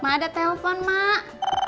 mak ada telfon mak